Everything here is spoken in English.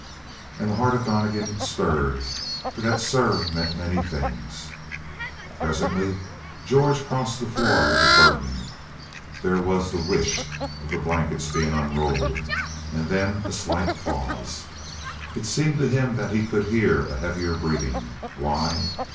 And the heart of Donnegan stirred, for that "sir" meant many things. Presently George crossed the floor with a burden; there was the "whish" of the blankets being unrolled and then a slight pause. It seemed to him that he could hear a heavier breathing. Why?